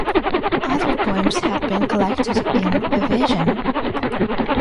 Other poems had been collected in "A Vision".